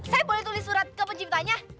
saya boleh tulis surat ke penciptanya